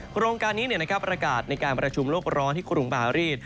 โครงการนี้ประกาศในการประชุมโลกร้อนที่กรุงปารีส